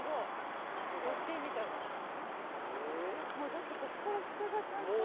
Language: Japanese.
だってここから下がちゃんと。